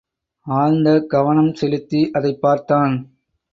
ஆழ்ந்த கவனம் செலுத்தி அதைப் பார்த்தான்.